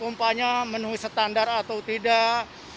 pompanya menuhi standar atau tidak